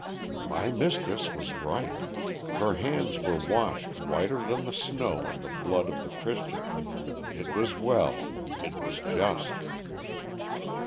"My mistress was right; her hands were washed whiter than the snow in the blood of the Christian. It was well; it was just."